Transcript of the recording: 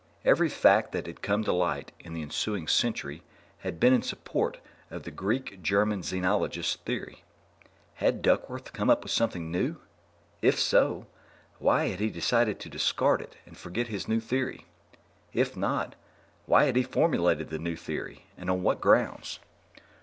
Every fact that had come to light in the ensuing century had been in support of the Greek German xenologist's theory. Had Duckworth come up with something new? If so, why had he decided to discard it and forget his new theory? If not, why had he formulated the new theory, and on what grounds?